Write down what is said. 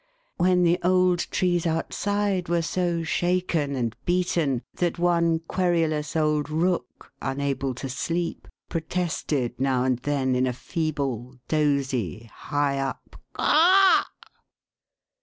When the old trees outside were so shaken and beaten, that one querulous old rook, unable to sleep, protested now and then, in a feeble, dozy, high up " Caw